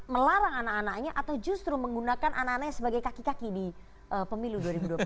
melarang anak anaknya atau justru menggunakan anak anaknya sebagai kaki kaki di pemilu dua ribu dua puluh empat